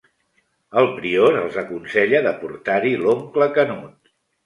El prior els aconsella de portar-hi l'oncle Canut.